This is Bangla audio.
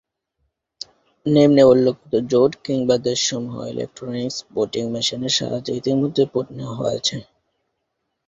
নিম্নে উল্লেখিত জোট কিংবা দেশসমূহে ইলেকট্রনিক ভোটিং মেশিনের সাহায্যে ইতোমধ্যেই ভোট নেয়া হয়েছে।